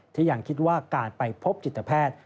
ที่ยังคิดว่าการไปพบจิตแพทย์